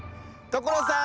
所さん